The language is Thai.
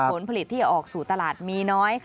ผลผลิตที่ออกสู่ตลาดมีน้อย